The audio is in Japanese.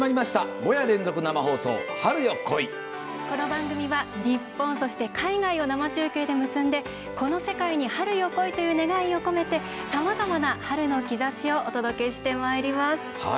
この番組は日本、そして海外を生中継で結んで、この世界に「春よ、来い！」という願いを込めてさまざまな「春の兆し」をお届けしてまいります。